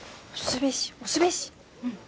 うん。